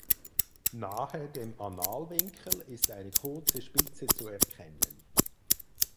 Nahe dem Analwinkel ist eine kurze Spitze zu erkennen.